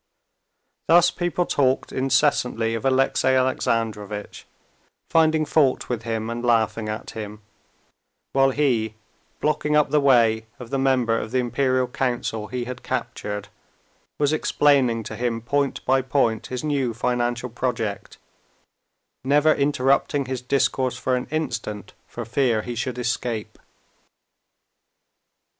Thus people talked incessantly of Alexey Alexandrovitch, finding fault with him and laughing at him, while he, blocking up the way of the member of the Imperial Council he had captured, was explaining to him point by point his new financial project, never interrupting his discourse for an instant for fear he should escape.